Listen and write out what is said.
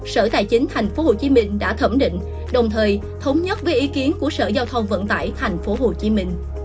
sở tài chính tp hcm đã thẩm định đồng thời thống nhất với ý kiến của sở giao thông vận tải tp hcm